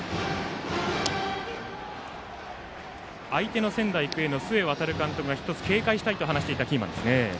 相手の仙台育英の須江航監督が１つ警戒したいと話していたキーマンです。